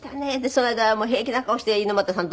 その間平気な顔して猪俣さん